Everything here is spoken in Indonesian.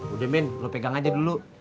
udah main lo pegang aja dulu